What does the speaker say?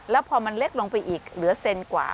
แล้วพอมันเล็กลงไปอีกเหลือเซนกว่า